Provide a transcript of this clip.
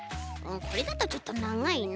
これだとちょっとながいな。